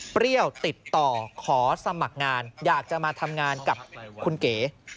เปรี้ยวติดต่อขอสมัครงานอยากจะมาทำงานกับคุณเก๋